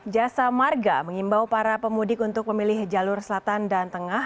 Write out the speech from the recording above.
jasa marga mengimbau para pemudik untuk memilih jalur selatan dan tengah